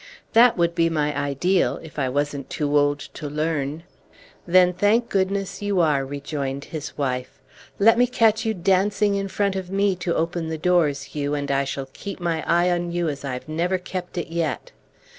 "That would be my ideal if I wasn't too old to learn!" "Then thank goodness you are," rejoined his wife. "Let me catch you dancing in front of me to open the doors, Hugh, and I shall keep my eye on you as I've never kept it yet!"